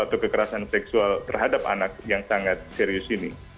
atau kekerasan seksual terhadap anak yang sangat serius ini